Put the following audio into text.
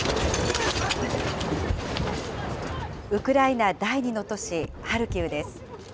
ウクライナ第２の都市ハルキウです。